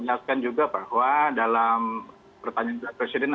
kita harus jelas juga bahwa dalam pertanyaan presiden